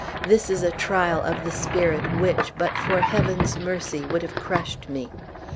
This was a trial of the spirit which, but for Heaven's mercy, would have crushed me.